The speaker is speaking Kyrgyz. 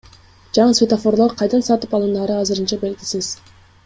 Жаңы светофорлор кайдан сатып алынаары азырынча белгисиз.